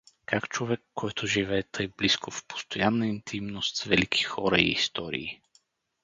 Как човек, който живее тъй близко, в постоянна интимност с велики хора и истории?